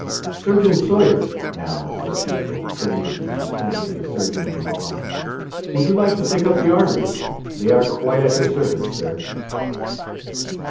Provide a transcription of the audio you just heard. "Surgeon Sawyer," now said Cuticle, courteously turning to the surgeon of the Mohawk, "would you like to take up the arteries? They are quite at your service, sir."